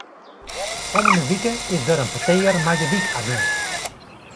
Kommende wike is der in petear mei de wykagint.